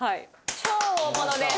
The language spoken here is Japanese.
超大物です。